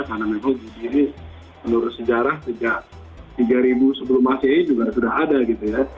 karena memang judi ini menurut sejarah sejak tiga ribu sebelum masih ini juga sudah ada gitu ya